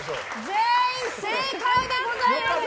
全員正解でございます！